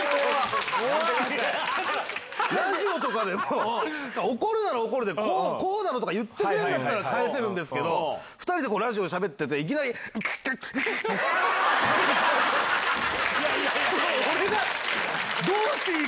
ラジオとかでも、怒るなら怒るで、こうだろとか言ってくれるんだったら、返せるんですけど、２人でラジオでしゃべってて、くっがっくっ、あああーって。